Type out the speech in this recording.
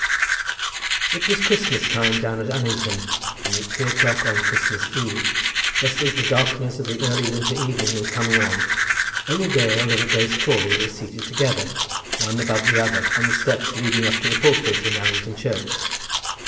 It was Christmas time down at Allington, and at three o'clock on Christmas Eve, just as the darkness of the early winter evening was coming on, Lily Dale and Grace Crawley were seated together, one above the other, on the steps leading up to the pulpit in Allington Church.